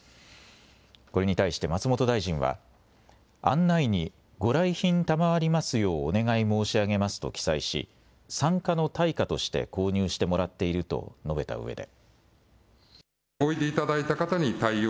これに対して松本大臣は案内に、ご来賓賜りますようお願い申し上げますと記載し参加の対価として購入してもらっていると述べたうえで。